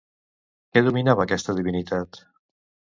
Què dominava aquesta divinitat?